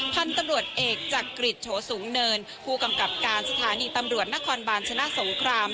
พันธุ์ตำรวจเอกจักริจโฉสูงเนินผู้กำกับการสถานีตำรวจนครบาลชนะสงคราม